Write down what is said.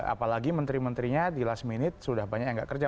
apalagi menteri menterinya di last minute sudah banyak yang nggak kerja